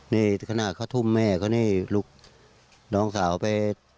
นี่ขณะเขาถุงแม่นี่รุกน้องสาวไป